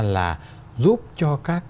là giúp cho các